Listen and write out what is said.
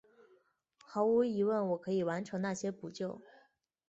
毫无疑问我可以完成那些扑救！